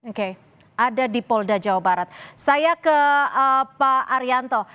oke ada di polda jawa barat saya ke pak arianto